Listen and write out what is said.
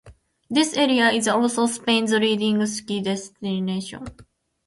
This area is also Spain's leading ski destination.